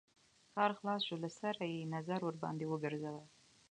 کار خلاص شو له سره يې نظر ورباندې وګرځوه.